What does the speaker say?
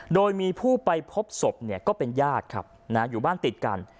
โดยมีผู้ไปพบศพเนี่ยก็เป็นญาติครับอยู่บ้านติดกัน